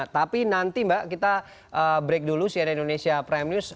tapi nanti mbak kita break dulu cnn indonesia prime news